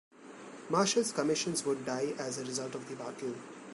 Marshals' commissions would die as a result of the battle.